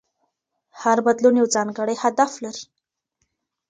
هر بدلون یو ځانګړی هدف لري.